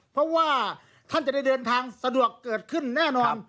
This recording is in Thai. เพราะว่าท่านจะได้เดินทางสะดวกเกิดขึ้นแน่นอน